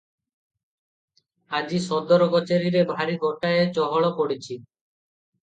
ଆଜି ସଦର କଚେରିରେ ଭାରି ଗୋଟାଏ ଚହଳ ପଡିଛି ।